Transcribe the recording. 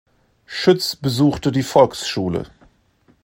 Schütz besuchte die Volksschule.